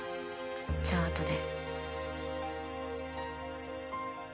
じゃああとで。